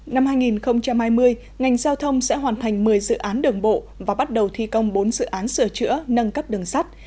năm hai nghìn hai mươi ngành giao thông sẽ hoàn thành một mươi dự án đường bộ và bắt đầu thi công bốn dự án sửa chữa nâng cấp đường sắt